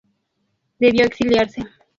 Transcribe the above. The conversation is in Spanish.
Debió exiliarse.